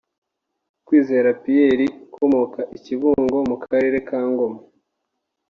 Kwizera Pierre ukomoka i Kibungo mu karere ka Ngoma